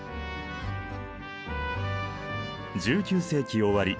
１９世紀終わり